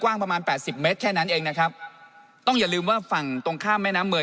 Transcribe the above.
ประมาณแปดสิบเมตรแค่นั้นเองนะครับต้องอย่าลืมว่าฝั่งตรงข้ามแม่น้ำเมือง